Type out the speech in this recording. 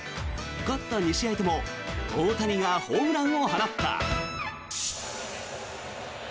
勝った２試合とも大谷がホームランを放った。